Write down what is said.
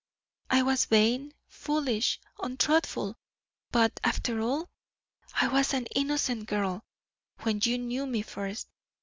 I was vain, foolish, untruthful, but, after all, I was an innocent girl when you knew me first.